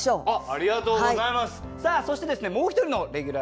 ありがとうございます。